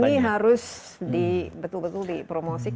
nah ini harus di betul betul dipromosikan